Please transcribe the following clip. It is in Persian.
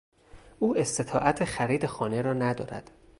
او استطاعت خرید خانه را ندارد.